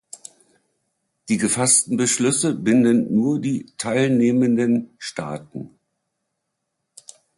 Die gefassten Beschlüsse binden nur die teilnehmenden Staaten.